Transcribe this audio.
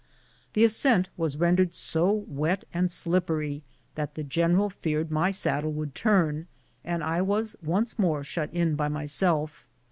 The ascent was rendered so wet and slippery, the general feared my saddle would turn, and I was once more shut in by myself.